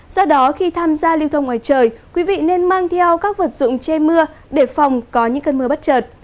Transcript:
do đó khi tham gia liêu thông ngoài trời quý vị nên mang theo các vật dụng chê mưa để phòng có những cơn mưa bắt trợt